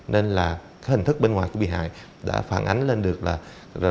nên là cái hình thức bên ngoài của bị hại đã phản ánh lên được là